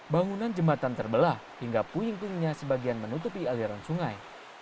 bangunan jembatan terbelah hingga puing puingnya sebagian menutupi aliran sungai